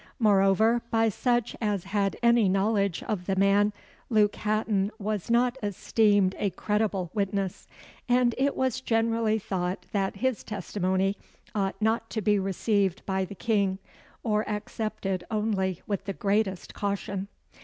Moreover, by such as had any knowledge of the man, Luke Hatton was not esteemed a credible witness; and it was generally thought that his testimony ought not to be received by the King, or accepted only with the greatest caution.